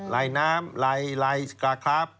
ลายน้ำลายสกาครับ